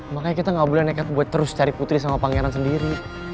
makanya kita gak boleh nekat buat terus cari putri sama pangeran sendiri